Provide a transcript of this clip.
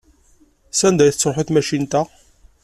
Sanda i tettṛuḥu tmacint-a?